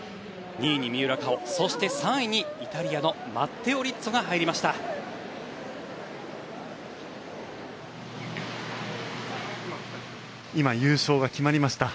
２位に三浦佳生そして３位にイタリアのマッテオ・リッツォが入りました。